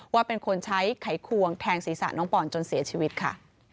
ว่าเป็นคนใช้ไขควงแทงศีรษะน้องปอนจนเสียชีวิตค่ะ